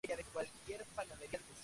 Río St.